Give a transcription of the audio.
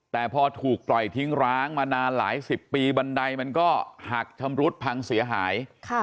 แต่พอถูกปล่อยทิ้งร้างมานานหลายสิบปีบันไดมันก็หักชำรุดพังเสียหาย